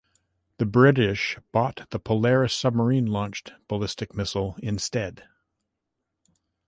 The British bought the Polaris submarine-launched ballistic missile instead.